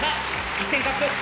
１点獲得。